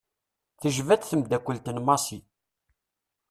Tejba-d temddakelt n Massi.